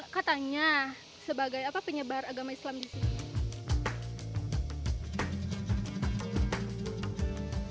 ya katanya sebagai penyebar agama islam di sini